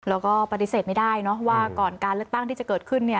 แล้วก็ปฏิเสธไม่ได้ว่าก่อนการเลือกตั้งที่จะเกิดขึ้น